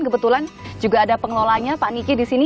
kebetulan juga ada pengelolanya pak niki di sini